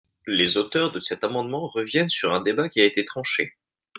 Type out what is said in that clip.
Les auteurs de cet amendement reviennent sur un débat qui a été tranché.